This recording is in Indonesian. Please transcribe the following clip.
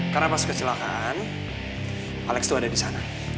karena pas kecelakaan alex tuh ada di sana